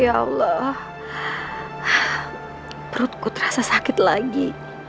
ya allah perutku terasa sakit lagi